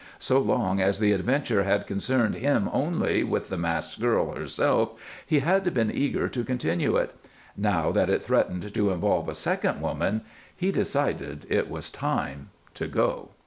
So long as the adventure had concerned him only with the masked girl herself he had been eager to continue it. Now that it threatened to involve a second woman, he decided it was time to go.